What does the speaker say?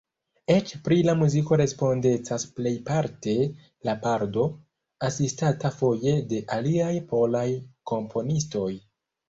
Eĉ pri la muziko respondecas plejparte la bardo, asistata foje de aliaj polaj komponistoj.